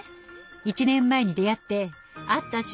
１年前に出会って会った瞬間